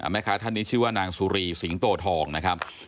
แม่ค้าท่านนี้ชื่อว่านางสุรีสิงโตทองนะครับ